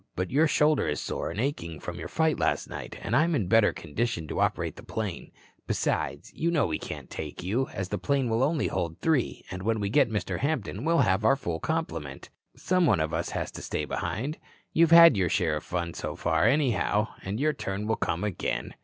"But your shoulder is sore and aching from your fight last night, and I'm in better condition to operate the plane. Besides, you know we can't take you, as the plane will hold only three and when we get Mr. Hampton we'll have our full complement. Some one of us has to stay behind. You've had your share of the fun so far, anyhow, and your turn will come again."